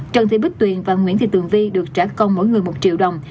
trần thị bích tuyền và nguyễn thị tường vi được trả công mỗi người một triệu đồng